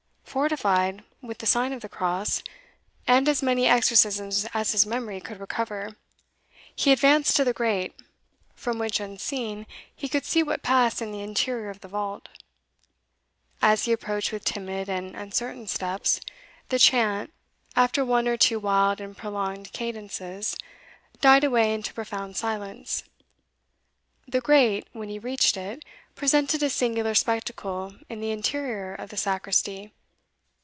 [Illustration: The Funeral of the Countess] Fortified with the sign of the cross, and as many exorcisms as his memory could recover, he advanced to the grate, from which, unseen, he could see what passed in the interior of the vault. As he approached with timid and uncertain steps, the chant, after one or two wild and prolonged cadences, died away into profound silence. The grate, when he reached it, presented a singular spectacle in the interior of the sacristy.